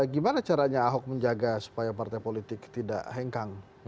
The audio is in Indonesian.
gimana caranya ahok menjaga supaya partai politik tidak hengkang